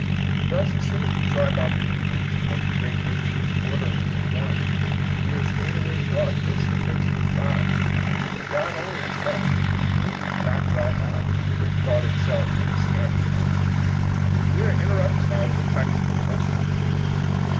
Thus, as soon as we drive out the demons, and make the great nature or derly and one, we are straightway brought face to face with God. God only is left, whom we cannot drive out, and give thought itself any standing room. We are interrupted now with a practical question.